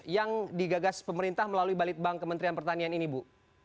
yang digagas pemerintah melalui balitbank kementerian pertanian ini bu